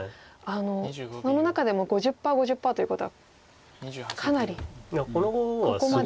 その中でも５０％５０％ということはかなりここまできて。